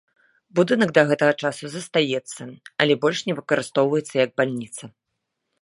Будынак да гэтага часу застаецца, але больш не выкарыстоўваецца як бальніца.